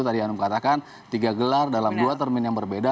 tadi anum katakan tiga gelar dalam dua termin yang berbeda